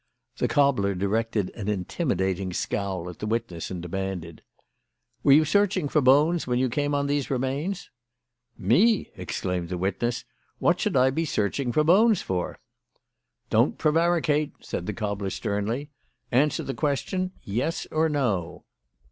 The cobbler directed an intimidating scowl at the witness and demanded: "Were you searching for bones when you came on these remains?" "Me!" exclaimed the witness. "What should I be searching for bones for?" "Don't prevaricate," said the cobbler sternly; "answer the question: Yes or no."